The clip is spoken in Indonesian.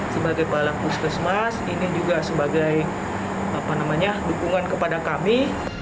sebagai kepala puskesmas ini juga sebagai dukungan kepada kami